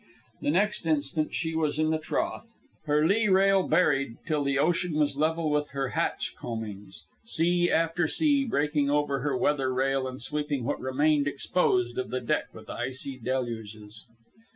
The next instant she was in the trough, her lee rail buried till the ocean was level with her hatch coamings, sea after sea breaking over her weather rail and sweeping what remained exposed of the deck with icy deluges.